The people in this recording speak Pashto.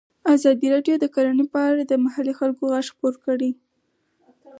ازادي راډیو د کرهنه په اړه د محلي خلکو غږ خپور کړی.